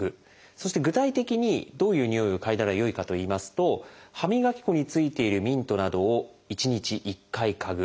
そして具体的にどういうにおいを嗅いだらよいかといいますと歯磨き粉についているミントなどを１日１回嗅ぐ。